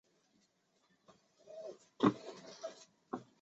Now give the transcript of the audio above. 有些巴比伦之狮坦克更装备了中国制的电子光学干扰设备。